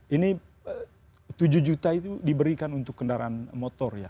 ini tujuh juta itu diberikan untuk kendaraan motor ya